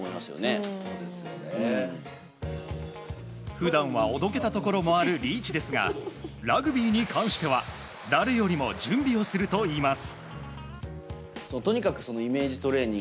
普段はおどけたところもあるリーチですがラグビーに関しては誰よりも準備をするといいます。